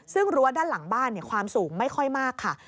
ซึ่งรั้วด้านหลังบ้านความสูงไม่ค่อยมากค่ะ